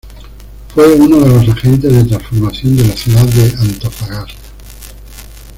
Fue uno de los agentes de transformación de la ciudad de Antofagasta.